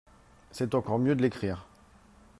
C’est encore mieux de l’écrire